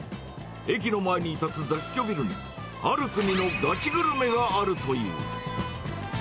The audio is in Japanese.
駅の前に建つ雑居ビルに、ある国のガチグルメがあるという。